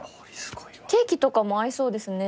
ケーキとかも合いそうですね。